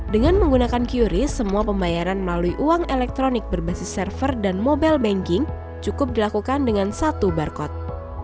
dengan menggunakan qris semua pembayaran melalui uang elektronik berbasis server dan mobile banking cukup dilakukan dengan satu barcode